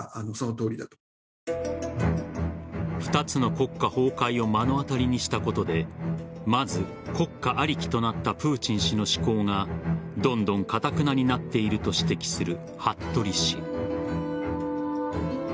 ２つの国家崩壊を目の当たりにしたことでまず、国家ありきとなったプーチン氏の思考がどんどんかたくなになっていると指摘する服部氏。